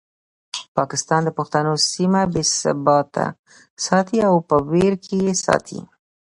پاکستان د پښتنو سیمه بې ثباته ساتي او په ویر کې یې ساتي.